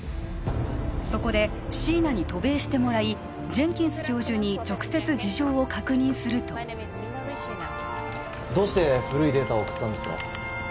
そこで椎名に渡米してもらいジェンキンス教授に直接事情を確認するとどうして古いデータを送ったんですか？